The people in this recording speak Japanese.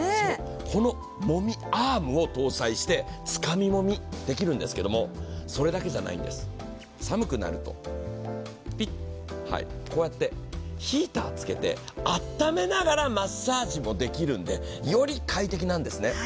このもみアームを搭載して、つかみもみできるんですけれども、それだけじゃないんです、寒くなるとピッ、こうやってヒーターをつけてあっためながらマッサージもできるんで、より快適なんですね。